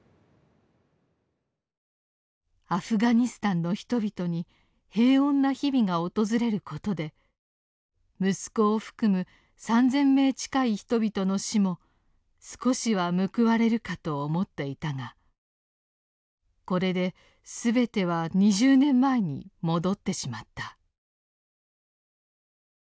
「アフガニスタンの人々に平穏な日々が訪れることで息子を含む３，０００名近い人々の死も少しは報われるかと思っていたがこれですべては２０年前に戻ってしまった」。